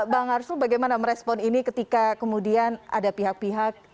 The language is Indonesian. bang arsul bagaimana merespon ini ketika kemudian ada pihak pihak